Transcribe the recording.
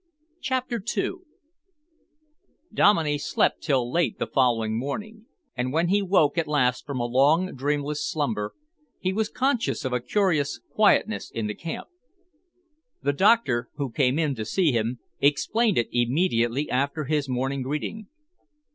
CHAPTER II Dominey slept till late the following morning, and when he woke at last from a long, dreamless slumber, he was conscious of a curious quietness in the camp. The doctor, who came in to see him, explained it immediately after his morning greeting.